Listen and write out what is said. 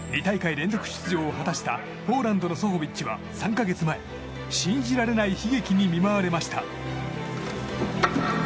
２大会連続出場を果たしたポーランドのソホビッチは３か月前、信じられない悲劇に見舞われました。